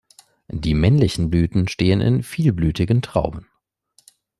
Die männlichen Blüten stehen in vielblütigen Trauben.